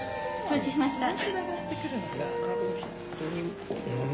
承知しました。